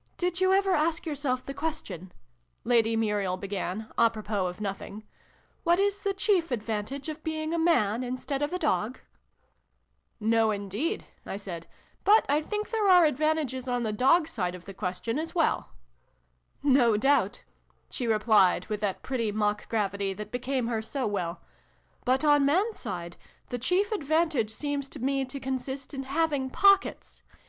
" Did you ever ask yourself the question," Lady Muriel began, a propos of nothing, " what is the chief advantage of being a Man instead of a Dog ?"" No, indeed," I said :" but I think there are advantages on the Dog's side of the question, as well." " No doubt," she replied, with that pretty mock gravity that became her so well :" but, on Mans side, the chief advantage seems to me to consist in having pockets